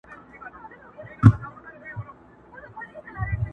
o رنگ تې مه گوره، خوند تې گوره!